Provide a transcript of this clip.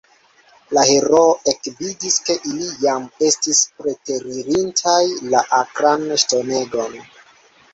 La heroo ekvidis, ke ili jam estis preteririntaj la akran ŝtonegon.